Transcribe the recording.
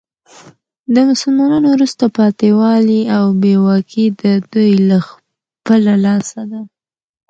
د مسلمانانو وروسته پاته والي او بي واکي د دوې له خپله لاسه ده.